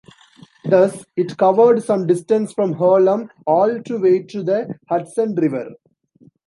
Thus, it covered some distance from Harlem all to way to the Hudson River.